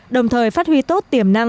đồng thời phát huy tốt tiềm năng